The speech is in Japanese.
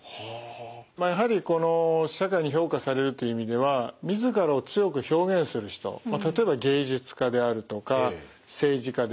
まあやはりこの社会に評価されるという意味ではみずからを強く表現する人例えば芸術家であるとか政治家ですね。